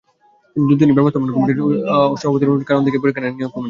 কিন্তু দুদিনই ব্যবস্থাপনা কমিটির সভাপতির অনুপস্থিতির কারণ দেখিয়ে পরীক্ষা নেয়নি নিয়োগ কমিটি।